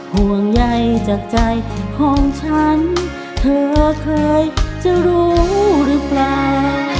ห่วงใยจากใจของฉันเธอเคยจะรู้หรือเปล่า